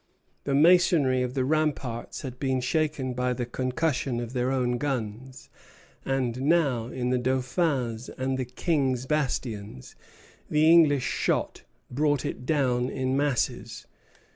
The masonry of the ramparts had been shaken by the concussion of their own guns; and now, in the Dauphin's and King's bastions, the English shot brought it down in masses.